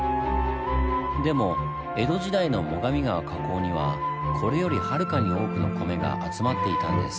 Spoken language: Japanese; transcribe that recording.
でも江戸時代の最上川河口にはこれよりはるかに多くの米が集まっていたんです。